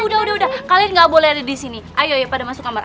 udah udah udah kalian nggak boleh ada di sini ayo pada masuk kamar